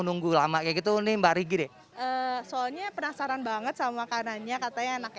nunggu lama kayak gitu nih mbak rige deh soalnya penasaran banget sama makanannya katanya anak